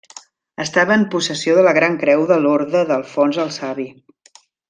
Estava en possessió de la Gran Creu de l'Orde d'Alfons el Savi.